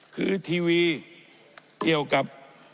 คือทีวีเกี่ยวกับ